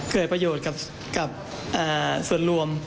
เกิดประโยชน์กับส่วนรวม